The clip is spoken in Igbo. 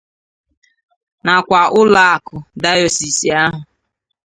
nakwa ụlọakụ dayọsiisi ahụ